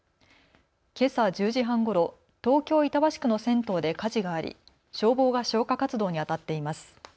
けさ１０時半ごろ、東京板橋区の銭湯で火事があり消防が消火活動にあたっています。